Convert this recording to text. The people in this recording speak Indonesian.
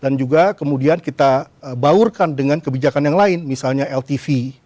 dan juga kemudian kita baurkan dengan kebijakan yang lain misalnya ltv